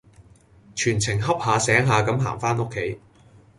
全程恰下醒下咁行返屋企